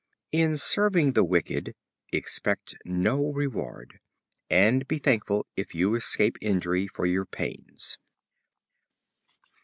In serving the wicked, expect no reward, and be thankful if you escape injury for your pains.